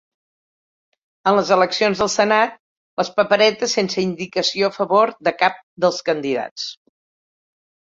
En les eleccions del Senat, les paperetes sense indicació a favor de cap dels candidats.